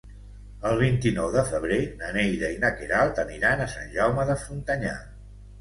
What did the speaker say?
El vint-i-nou de febrer na Neida i na Queralt aniran a Sant Jaume de Frontanyà.